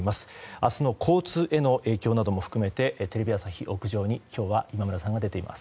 明日の交通への影響なども含めてテレビ朝日屋上に今日は今村さんが出ています。